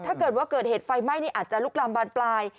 ถ้าเกิดว่าเกิดเหตุไฟไหม้อาจจะลุกลามบานปลาย